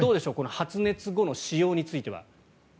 発熱後の使用については。